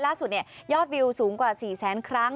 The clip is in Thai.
ล่าสุดยอดวิวสูงกว่า๔แสนครั้ง